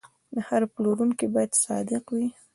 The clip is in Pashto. هر پلورونکی باید صادق وي.